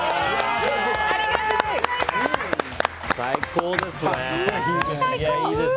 ありがとうございます！